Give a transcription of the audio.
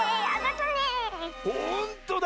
ほんとだ！